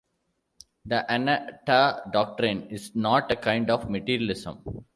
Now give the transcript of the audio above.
The "anatta" doctrine is not a kind of materialism.